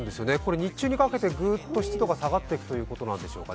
日中にかけてグッと下がっていくということでしょうかね。